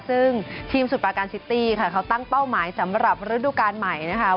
ซึ่งทีมสุดปาการซิตี้ค่ะเขาตั้งเป้าหมายสำหรับฤดูการใหม่นะคะ